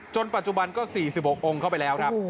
ปัจจุบันก็๔๖องค์เข้าไปแล้วครับ